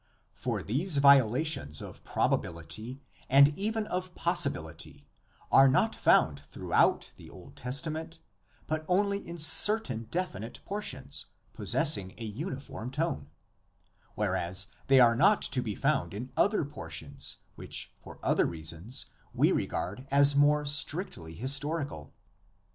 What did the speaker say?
For these violations of probability and even of possibility are not found throughout the Old Testament, but only in certain definite portions possessing a uniform tone, whereas they are not to be found in other por tions which for other reasons we regard as more 10 THE LEGENDS OF GENESIS. strictly historical.